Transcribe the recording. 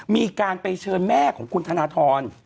มีการไปเชิญแม่ของคุณธนทร